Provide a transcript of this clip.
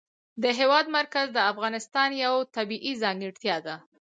د هېواد مرکز د افغانستان یوه طبیعي ځانګړتیا ده.